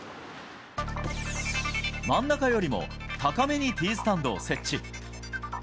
真ん中よりも高めにティースタンドを設置。